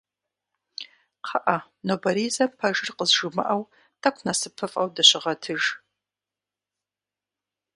Кхъыӏэ нобэризэм пэжыр къызжумыӏэу, тӏэкӏу нэсыпыфӏэу дыщыгъэтыж.